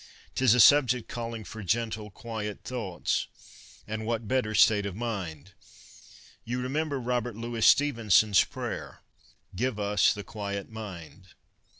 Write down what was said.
Tis a subject calling for gentle, quiet thoughts. And what better state of mind ? You remember Robert Louis Stevenson's prayer, ' Give us the quiet mind.'